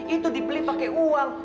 itu dibeli pakai uang